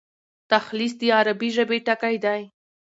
تلخیص د عربي ژبي ټکی دﺉ.